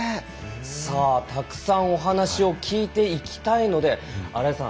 たくさんお話を聞いていきたいので新井さん